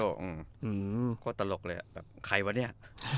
อืมก็ตลกเลยแบบใครวะเนี่ย